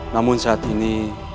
namun saat ini